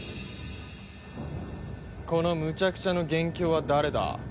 このむちゃくちゃの元凶は誰だ？